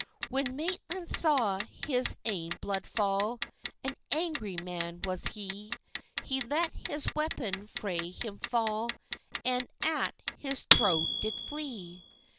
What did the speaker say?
When Maitland saw his ain blood fall, An angry man was he; He let his weapon frae him fall, And at his throat did flee.